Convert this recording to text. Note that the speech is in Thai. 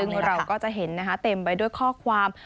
ซึ่งเราก็จะเห็นนะคะเต็มไปด้วยข้อความ